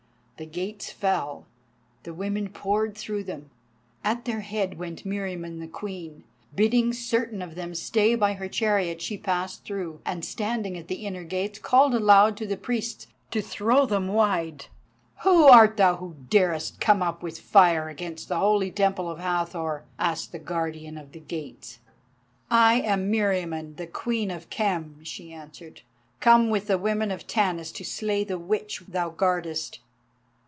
The gates fell, the women poured through them. At their head went Meriamun the Queen. Bidding certain of them stay by her chariot she passed through, and standing at the inner gates called aloud to the priests to throw them wide. "Who art thou who darest come up with fire against the holy Temple of the Hathor?" asked the guardian of the gates. "I am Meriamun, the Queen of Khem," she answered, "come with the women of Tanis to slay the Witch thou guardest.